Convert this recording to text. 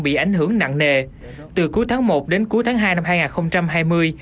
bị ảnh hưởng nặng nề từ cuối tháng một đến cuối tháng hai năm hai nghìn hai mươi